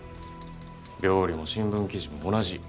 料理も新聞記事も同じ。